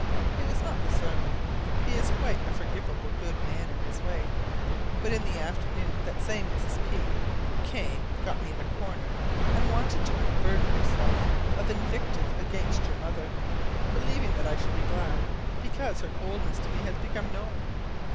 It was not the sermon: he is quite a forgivable good man in his way. But in the afternoon that same Mrs. P came, got me in a corner, and wanted to unburden herself of invective against your mother, believing that I should be glad, because her coldness to me has become known!